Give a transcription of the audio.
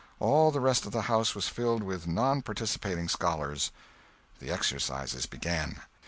All the rest of the house was filled with non participating scholars. The exercises began.